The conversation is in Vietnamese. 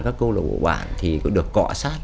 các câu lạc của bạn thì cũng được cọ sát